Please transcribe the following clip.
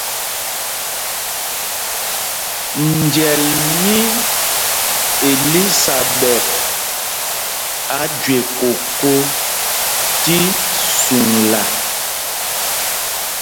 Njɛl mí Elisaɓɛt á jüe kokō tí suŋla.